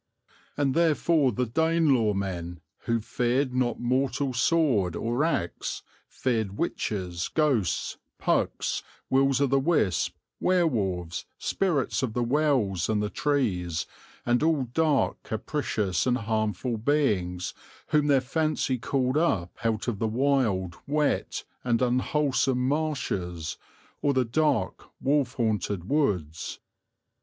And therefore the Danelagh men, who feared not mortal sword or axe, feared witches, ghosts, Pucks, Wills o' the Wisp, Werewolves, spirits of the wells and the trees, and all dark, capricious and harmful beings whom their fancy called up out of the wild, wet, and unwholesome marshes, or the dark, wolf haunted woods.